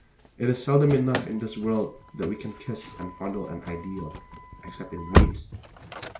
It is seldom enough in this world that we can kiss and fondle an ideal, except in dreams.